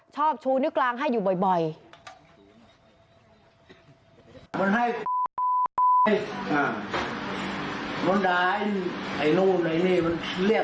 ชอบชูนุกลางให้อยู่บ่อย